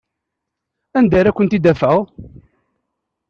Anda ara ken-id-afeɣ?